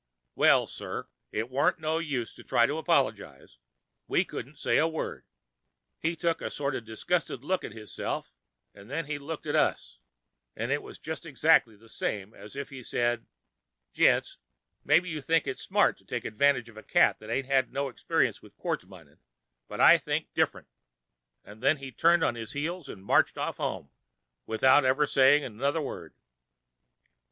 Well, sir, it warn't no use to try to apologize—we couldn't say a word. He took a sort of a disgusted look at hisself, 'n' then he looked at us—an' it was just exactly the same as if he had said—'Gents, maybe you think it's smart to take advantage of a cat that ain't had no experience of quartz minin', but I think different'—an' then he turned on his heel 'n' marched off home without ever saying another word.